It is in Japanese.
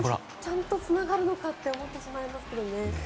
ちゃんとつながるのかと思ってしまいますね。